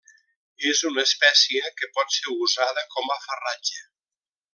És una espècie que pot ser usada com a farratge.